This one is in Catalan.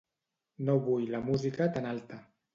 No vull la música tan alta.